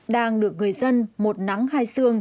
đang được người dân một nắng hai xương